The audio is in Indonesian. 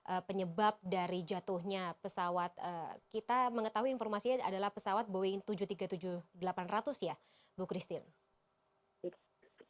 apa penyebab dari jatuhnya pesawat kita mengetahui informasinya adalah pesawat boeing tujuh ratus tiga puluh tujuh delapan ratus ya bu christine